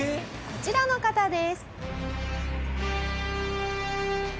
こちらの方です。